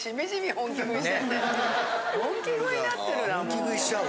本気食いになってるなもう。